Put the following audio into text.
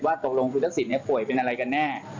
ว่าตกลงคุณศักดิ์สินในป่วยเป็นอะไรกันแน่